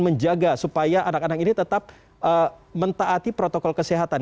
menjaga supaya anak anak ini tetap mentaati protokol kesehatan